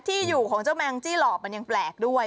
ที่อยู่ของเจ้าแมงจี้หล่อมันยังแปลกด้วย